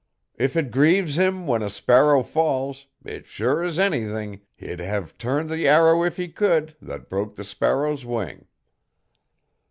If it grieves Him when a sparrow falls, it's sure as anything, He'd hev turned the arrow if He could, that broke the sparrow's wing.